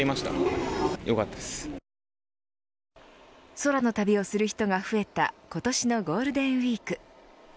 空の旅をする人が増えた今年のゴールデンウイーク。